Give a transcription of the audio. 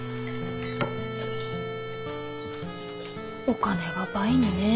お金が倍にねえ。